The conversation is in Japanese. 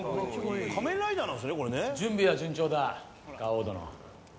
準備は順調だ牙王殿。